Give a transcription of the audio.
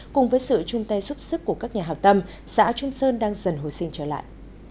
cùng với sự chung tay giúp sức của các nhà hào tâm xã trung sơn đang dần hồi sinh trở lại